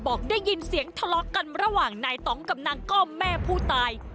บอกได้ยินเสียงทะเลาะกันระหว่างนายต้องกับนางก้อมแม่ผู้ตาย